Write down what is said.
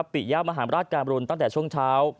ปิยามหารราชการบรุณตั้งแต่ช่วงเช้า